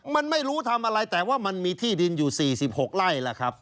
มันไม่รู้ทำอะไรแต่ว่ามันมีที่ดินอยู่๔๖ไร่ล่ะครับ